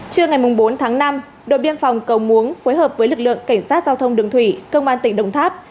trưa ngày bốn tháng năm đội biên phòng cầu muống phối hợp với lực lượng cảnh sát giao thông đường thủy công an tỉnh đồng tháp